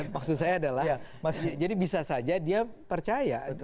maksud saya adalah jadi bisa saja dia percaya